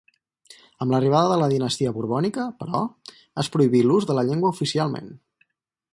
Amb l'arribada de la dinastia borbònica, però, es prohibí l'ús de la llengua oficialment.